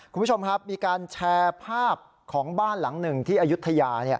คุณผู้ชมครับมีการแชร์ภาพของบ้านหลังหนึ่งที่อายุทยา